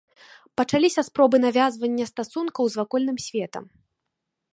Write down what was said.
Пачаліся спробы навязвання стасункаў з вакольным светам.